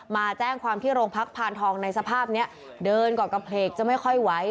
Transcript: มาแจ้งความที่โรงพักพานทองในสภาพนี้เดินกอดกระเพลกจะไม่ค่อยไหว